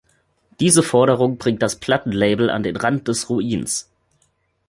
Diese Forderung bringt das Plattenlabel an den Rand des Ruins.